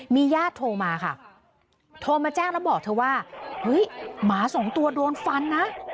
มีญาติโทรมาค่ะโทรมาแจ้งแล้วบอกเธอว่าเฮ้ยหมาสองตัวโดนฟันนะ